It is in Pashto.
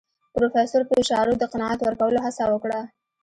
پروفيسر په اشارو د قناعت ورکولو هڅه وکړه.